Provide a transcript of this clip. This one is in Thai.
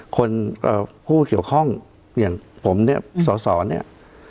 เอ่อผู้เกี่ยวข้องอย่างผมเนี่ยสอสอเนี่ย